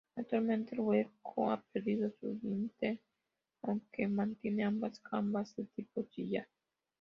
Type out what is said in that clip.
Actualmente el hueco ha perdido su dintel, aunque mantiene ambas jambas, de tipo sillar.